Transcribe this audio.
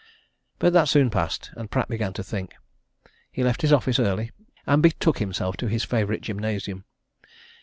But that soon passed, and Pratt began to think. He left his office early, and betook himself to his favourite gymnasium.